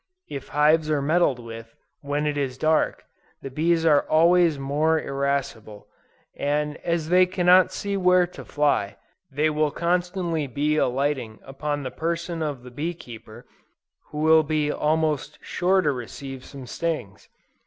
If hives are meddled with, when it is dark, the bees are always more irascible, and as they cannot see where to fly, they will constantly be alighting upon the person of the bee keeper, who will be almost sure to receive some stings.